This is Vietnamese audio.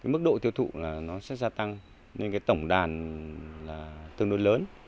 mức độ tiêu thụ sẽ gia tăng nên tổng đàn tương đối lớn